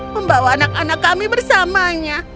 membawa anak anak kami bersamanya